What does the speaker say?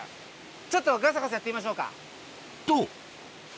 ちょっとがさがさやってみましょうか。